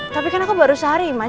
tapi kan aku baru sehari mas